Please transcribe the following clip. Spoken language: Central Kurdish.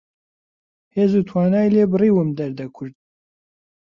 هێز و توانای لێ بڕیوم دەردە کورد